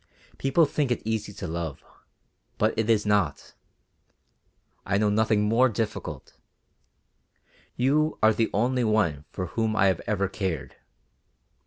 People think it easy to love, but it is not; I know nothing more difficult. You are the only one for whom I have ever cared.